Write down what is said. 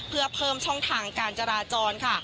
เพื่อเพิ่มช่องทางการจราจรค่ะ